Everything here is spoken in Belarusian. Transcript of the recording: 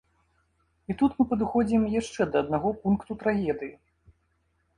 І тут мы падыходзім яшчэ да аднаго пункту трагедыі.